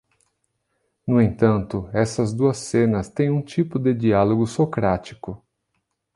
No entanto, essas duas cenas têm um tipo de diálogo socrático.